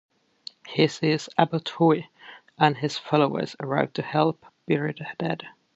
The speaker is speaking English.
He sees Abbot Hui and his followers arrive to help bury the dead.